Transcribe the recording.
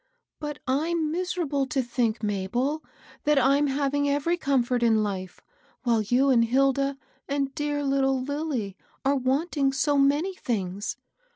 '^ Bat I'm miserable to think, Mabel, that I'm having every comfort in life, while you and Hilda and dear little Lilly are wanting so many things.